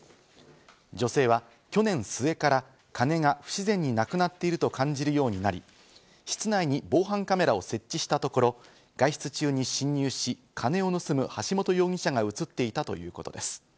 女性は去年末からカネが不自然になくなっていると感じるようになり、室内に防犯カメラを設置したところ、外出中に侵入し、カネを盗む橋本容疑者が映っていたということです。